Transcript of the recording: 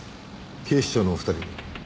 警視庁のお二人に。